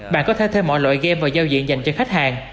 bạn có thể thêm mọi loại game vào giao diện dành cho khách hàng